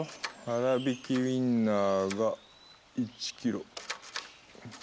粗びきウインナーが１キロ。